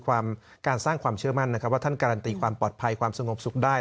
การสร้างความเชื่อมั่นนะครับว่าท่านการันตีความปลอดภัยความสงบสุขได้